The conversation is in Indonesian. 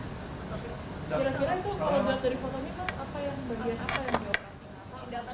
kira kira itu kalau dari fotonya pas apa yang di operasi